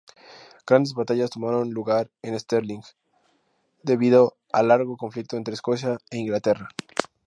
Grandes batallas tomaron lugar en Stirling debido al largo conflicto entre Escocia e Inglaterra.